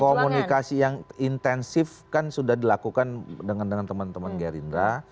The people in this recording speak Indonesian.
komunikasi yang intensif kan sudah dilakukan dengan teman teman gerindra